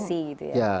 kriminalisasi gitu ya